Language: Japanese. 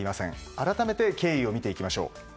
改めて経緯を見ていきましょう。